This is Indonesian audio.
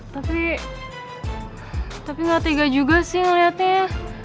tapi tapi gak tega juga sih ngeliatnya